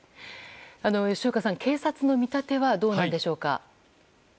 吉岡さん、警察の見立てはどうなんでしょうか。